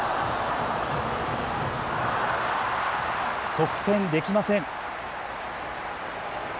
得点できません。